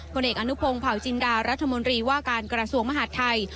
ผลเอกอนุพงศ์เผาจินดารัฐมนตรีว่าการกระทรวงมหาดไทย